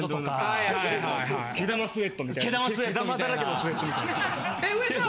毛玉だらけのスウェットみたいな。